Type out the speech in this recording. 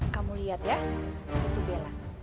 kamu lihat ya itu bella